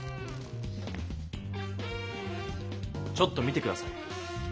ちょっと見て下さい。